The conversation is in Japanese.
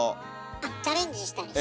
あチャレンジしたりして。